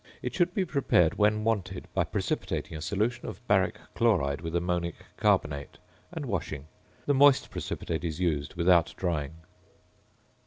It should be prepared when wanted by precipitating a solution of baric chloride with ammonic carbonate and washing. The moist precipitate is used without drying.